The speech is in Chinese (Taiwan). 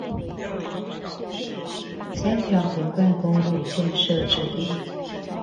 三條橫貫公路建設之一